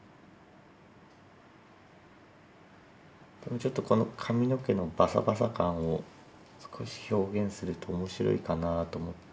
ちょっとこの髪の毛のバサバサ感を少し表現すると面白いかなと思って。